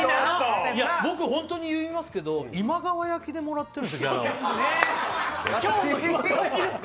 僕、本当に言いますけど、今川焼きでもらってるんですよ、給料。